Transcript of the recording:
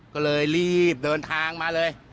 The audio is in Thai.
ก็เลยรีบเดินทางมาเลย